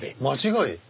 間違い？